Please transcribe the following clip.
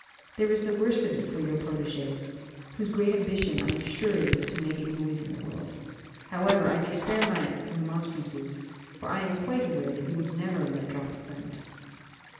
There is the worst of it for your protégé, whose great ambition I am sure it is to make a noise in the world. However, I may spare my remonstrances, for I am quite aware that you would never let drop a friend."